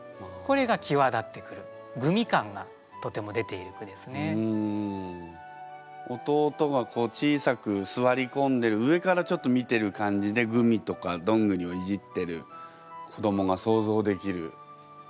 並べることでそういえば弟が小さくすわりこんでる上から見てる感じでグミとかどんぐりをいじってる子どもが想像できる。